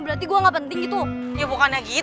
aduh ngapain sih gue kesini